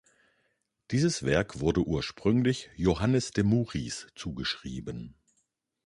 Dieses Werk wurde ursprünglich Johannes de Muris zugeschrieben.